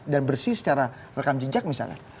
dan bersih secara rekam jejak misalnya